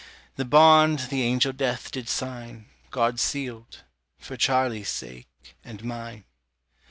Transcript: The bond the angel Death did sign, God sealed for Charlie's sake, and mine.